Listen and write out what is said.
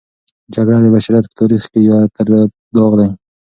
جګړه د بشریت په تاریخ کې یوه توره داغ دی.